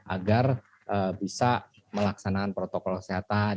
agar bisa melaksanakan protokol kesehatan